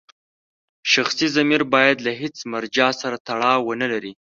شخصي ضمیر باید له هېڅ مرجع سره تړاو ونلري.